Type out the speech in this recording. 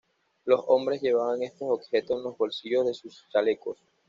Los hombres llevaban estos objetos en los bolsillos de sus chalecos.